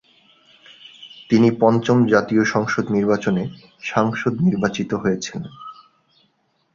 তিনি পঞ্চম জাতীয় সংসদ নির্বাচনে সাংসদ নির্বাচিত হয়েছিলেন।